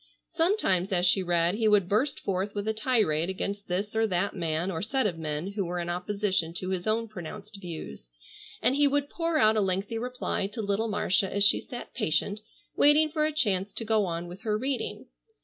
Sometimes as she read he would burst forth with a tirade against this or that man or set of men who were in opposition to his own pronounced views, and he would pour out a lengthy reply to little Marcia as she sat patient, waiting for a chance to go on with her reading.